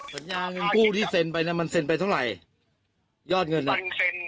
สัญญาเงินกู้ที่เซ็นไปน่ะมันเซ็นไปเท่าไหร่ยอดเงินน่ะ